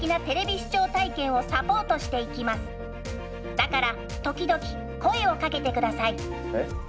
だから時々声をかけて下さい。え？